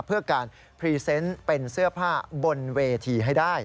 เพื่อการพรีเซนต์เป็นเสื้อผ้าบนเวทีให้ได้